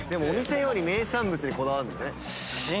「お店より名産物にこだわるのね」